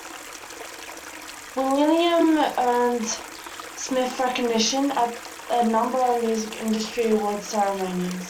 "Willennium" earned Smith recognition at a number of music industry awards ceremonies.